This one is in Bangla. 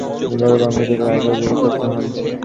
তিনি গৌড় ও বঙ্গ দুইটি রাজ্যের অধিকার প্রাপ্ত হন।